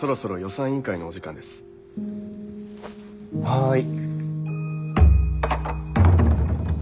はい。